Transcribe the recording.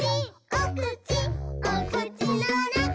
おくちおくちのなかに」